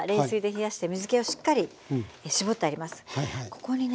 ここにね